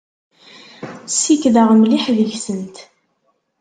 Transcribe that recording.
Ssikkdeɣ mliḥ deg-sent.